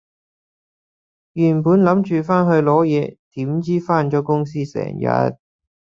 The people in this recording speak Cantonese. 原本諗住返去攞嘢，點知返咗公司成日